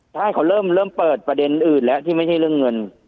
ถ้าให้เขาเริ่มเปิดประเด็นอื่นแล้วที่ไม่ใช่เรื่องเงิน